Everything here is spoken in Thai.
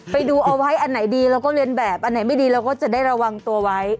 ไปดูเอาไว้อันไหนดีเราก็เรียนแบบอันไหนไม่ดีเราก็จะได้ระวังตัวไว้